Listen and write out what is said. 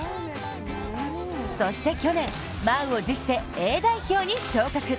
そして去年、満を持してＡ代表に昇格。